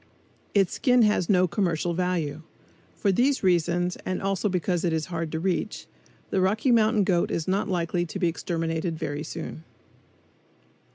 Its skin has no commercial value. For these reasons and also because it is hard to reach, the Rocky Mountain goat is not likely to be exterminated very soon.